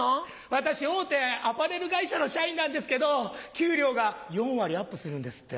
私大手アパレル会社の社員なんですけど給料が４割アップするんですって。